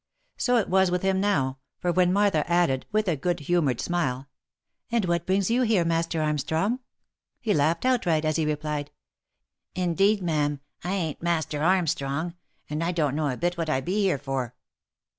So it was with him now, for when Martha added with a good humoured smile, " And what brings you here, Master Armstrong?" he laughed outright as he replied, " Indeed, ma'am, I ain't Master Armstrong, and I don't know a bit what 1 be here for."